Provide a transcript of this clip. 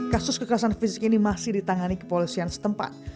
kasus kekerasan fisik ini masih ditangani kepolisian setempat